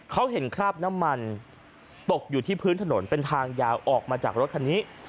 เขาเห็นคราบน้ำมันตกอยู่ที่พื้นถนนเป็นทางยาวออกมาจากรถคันนี้